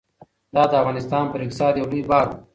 دا د افغانستان پر اقتصاد یو لوی بار و.